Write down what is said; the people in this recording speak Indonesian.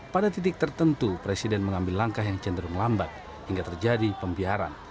pada titik tertentu presiden mengambil langkah yang cenderung lambat hingga terjadi pembiaran